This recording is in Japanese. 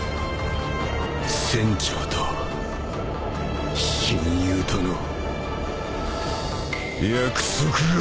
船長と親友との約束があんだ！